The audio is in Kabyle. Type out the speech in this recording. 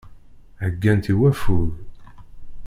Heggant i waffug.